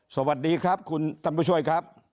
สวัสดีครับคุณท่านผู้ช่วยครับ